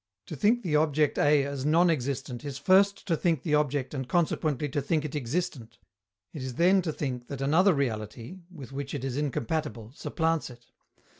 To think the object A as non existent is first to think the object and consequently to think it existent; it is then to think that another reality, with which it is incompatible, supplants it.